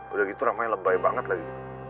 udah gitu ramai lebay banget lagi